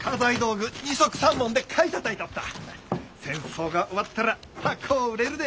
戦争が終わったら高う売れるで。